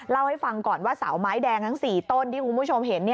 เล่าให้ฟังก่อนว่าเสาไม้แดงทั้ง๔ต้นที่คุณผู้ชมเห็น